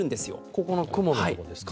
ここの雲のところですか？